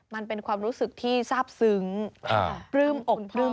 มันเป็นความรู้สึกที่ทราบซึ้งดูสิครับ